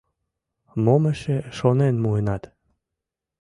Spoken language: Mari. — Мом эше шонен муынат?